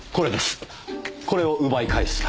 これを奪い返すため。